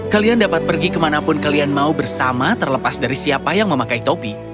kalian dapat pergi kemanapun kalian mau bersama terlepas dari siapa yang memakai topi